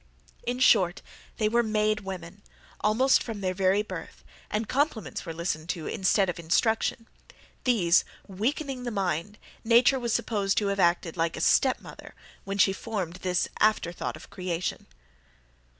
In short, they were made women, almost from their very birth, and compliments were listened to instead of instruction. These, weakening the mind, Nature was supposed to have acted like a step mother, when she formed this after thought of creation.